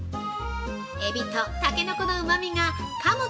◆エビとたけのこのうまみがかむ